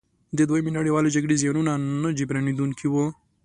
د دویمې نړیوالې جګړې زیانونه نه جبرانیدونکي وو.